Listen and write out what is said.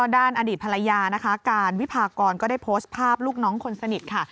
ด้านอดีตภรรยานะคะการวิพากรก็ได้โพสต์ภาพลูกน้องคนสนิทค่ะ